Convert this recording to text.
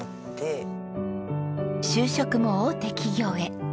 就職も大手企業へ。